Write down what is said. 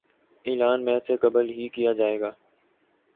اعلان میچ سے قبل ہی کیا جائے گا